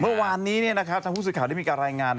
เมื่อวานนี้ภูมิสูตรข่าวได้มีการรายงาน